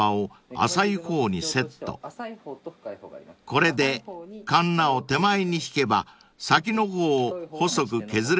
［これでかんなを手前に引けば先の方を細く削れるんだそうです］